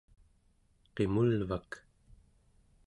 qimulvak